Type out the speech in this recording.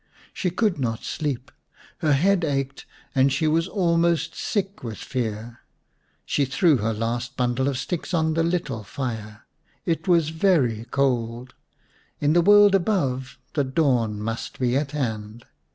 She could not sleep ; her head ached and she was almost sick with fear. She threw her last bundle of sticks on the little fire. It was very cold ; in the world above the dawn must be at hand.